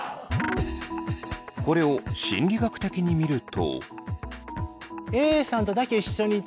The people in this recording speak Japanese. これを心理学的に見ると。